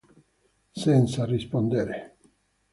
Senza rispondere.